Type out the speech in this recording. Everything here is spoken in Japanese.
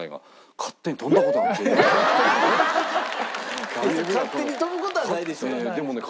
勝手に飛ぶ事はないでしょ？